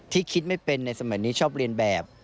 คิดไม่เป็นในสมัยนี้ชอบเรียนแบบ